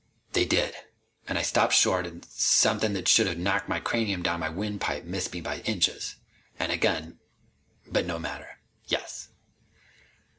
"They did. And I stopped short an' something that should've knocked my cranium down my windpipe missed me by inches. An' again But no matter. Yes."